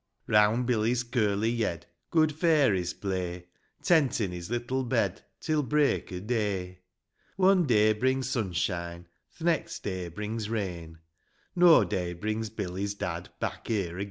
Round Billy's curly yed, Good fairies play ; Tentin' his little bed, Till break o' day. VL One day brings sunshine ; Th' next day brings rain ; No day brings Billy's dad Back here again.